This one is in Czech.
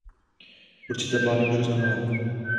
Určité plány už oznámila.